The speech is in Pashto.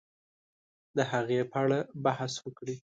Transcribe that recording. د هغې په اړه بحث وکړي